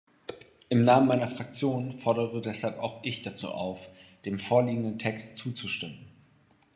Im Namen meiner Fraktion fordere deshalb auch ich dazu auf, dem vorliegenden Text zuzustimmen.